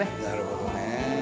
なるほどね。